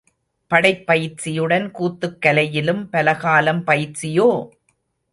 படைப்பயிற்சியுடன் கூத்துக் கலையிலும் பலகாலம் பயிற்சியோ?...